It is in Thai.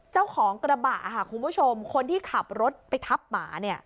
เจ้าของกระบะคุณผู้ชมคนที่ขับรถไปทับหมา